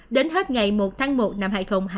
đến hết ngày một tháng một năm hai nghìn hai mươi